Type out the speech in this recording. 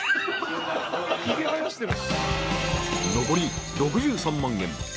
［残り６３万円。